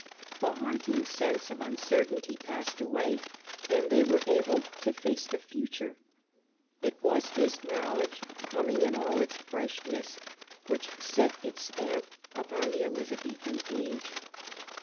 The haunting sense of uncertainty passed away, and they were able to face the future. It was this knowledge, coming in all its freshness, which set its stamp upon the Elizabethan age.